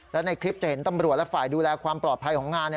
และในคลิปจะเห็นตำรวจและฝ่ายดูแลความปลอดภัยของงาน